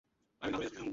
না, কিছু না।